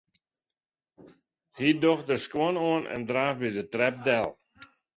Hy docht de skuon oan en draaft by de trep del.